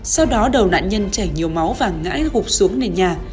sau đó đầu nạn nhân chảy nhiều máu và ngã gục xuống nền nhà